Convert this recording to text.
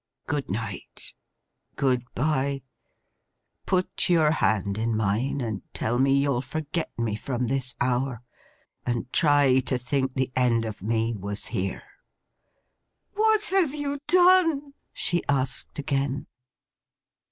Good night. Good bye! Put your hand in mine, and tell me you'll forget me from this hour, and try to think the end of me was here.' 'What have you done?' she asked again.